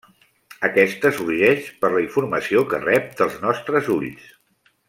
Aquesta sorgeix per la informació que rep dels nostres ulls.